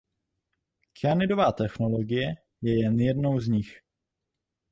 Kyanidová technologie je jen jednou z nich.